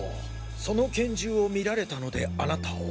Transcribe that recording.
その拳銃を見られたのであなたを。